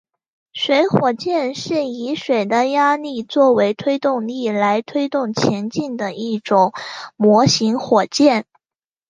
水火箭是以水的压力作为推动力来推动前进的一种模型火箭。